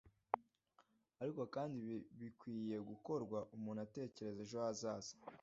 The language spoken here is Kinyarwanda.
ariko kandi bikwiye gukorwa umuntu atekereza ejo hazaza